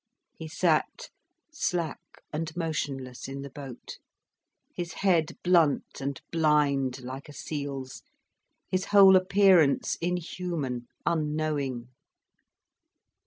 He sat slack and motionless in the boat, his head blunt and blind like a seal's, his whole appearance inhuman, unknowing.